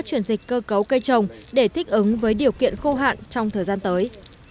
chuyển dịch cơ cấu cây trồng để thích ứng với điều kiện khô hạn trong thời gian tới